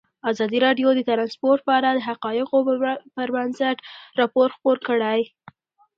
ازادي راډیو د ترانسپورټ په اړه د حقایقو پر بنسټ راپور خپور کړی.